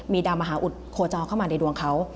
มีดาวมหาอุดโคจรเข้ามาในดวงเขา